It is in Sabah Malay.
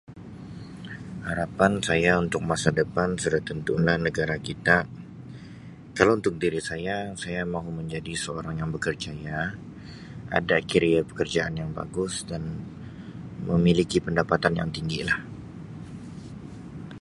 Harapan saya untuk masa depan sudah tentu lah negara kita teruntuk diri saya, saya mahu menjadi seorang yang bekerjaya ada karier pekerjaan yang bagus dan memiliki pendapatan yang tinggi lah.